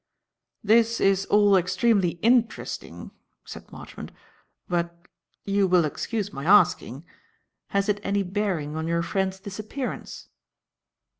"This is all extremely interesting," said Marchmont, "but you will excuse my asking has it any bearing on your friend's disappearance?"